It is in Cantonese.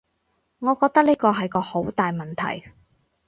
我覺得呢個係個好大問題